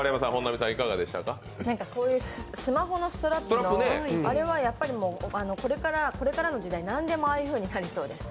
こういうスマホのストラップ、あれはこれからの時代、何でもああいうふうになりそうです。